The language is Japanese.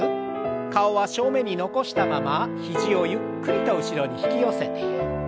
顔は正面に残したまま肘をゆっくりと後ろに引き寄せて。